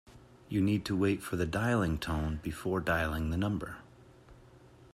You need to wait for the dialling tone before dialling the number